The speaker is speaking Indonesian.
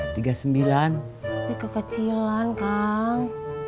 tapi kekecilan kang